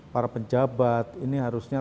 para pejabat ini harusnya